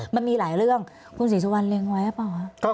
มันมีหลายเรื่องคุณศิษฐวัลเร็งไหวหรือเปล่าครับ